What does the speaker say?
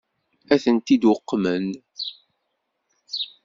Ad tent-id-uqmen?